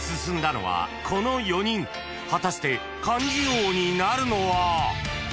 ［果たして漢字王になるのは！？］